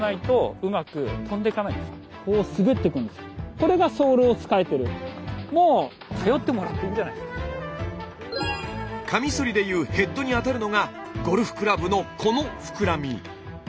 これがまさにカミソリで言うヘッドにあたるのがゴルフクラブのこの膨らみ。